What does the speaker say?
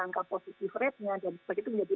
angka positif rate nya dan sebagainya menjadi